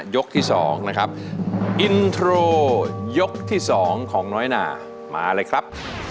ยกที่๒นะครับอินโทรยกที่๒ของน้อยนามาเลยครับ